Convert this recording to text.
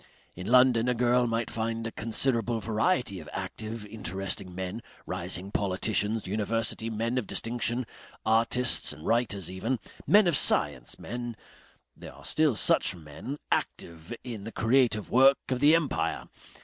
In London a girl might find a considerable variety of active, interesting men, rising politicians, university men of distinction, artists and writers even, men of science, men there are still such men active in the creative work of the empire.